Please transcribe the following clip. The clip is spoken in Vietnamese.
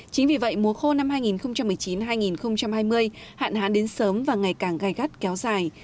chính vì vậy mùa khô năm hai nghìn một mươi chín hai nghìn hai mươi hạn hán đến sớm và ngày càng gai gắt kéo dài